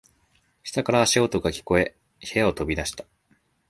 下から足音が聞こえ、部屋を飛び出した。